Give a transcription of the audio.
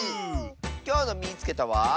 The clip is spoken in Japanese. きょうの「みいつけた！」は。